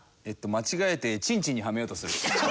間違えてちんちんにはめようとする。